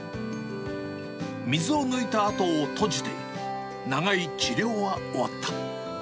水を抜いた跡をとじて、長い治療は終わった。